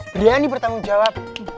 berani bertanggung jawab